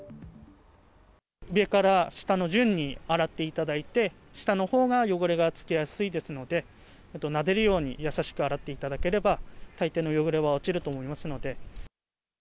上から下の順に洗っていただいて、下のほうが汚れがつきやすいですので、なでるように優しく洗っていただければ、大抵の汚れは落ちると思いますので。